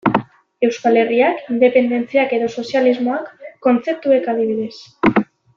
Euskal Herriak, independentziak edota sozialismoak kontzeptuek, adibidez.